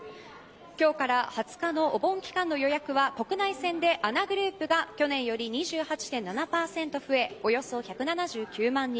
今日から２０日のお盆期間の予約は国内線でＡＮＡグループが去年より２８．７％増えおよそ１７９万人